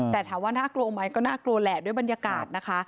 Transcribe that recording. แต่ถามว่าน่ากลัวไหมก็น่ากลัวแหละด้วยบรรยากาศนะคะ